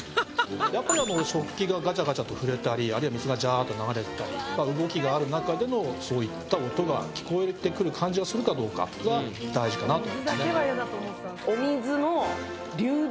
やっぱり食器がガチャガチャと触れたりあるいは水がジャっと流れてたり動きがあるなかでのそういった音が聞こえてくる感じがするかどうかが大事かなと。